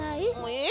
えっ？